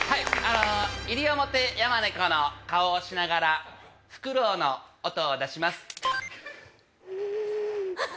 イリオモテヤマネコの顔をしながらフクロウの音を出します。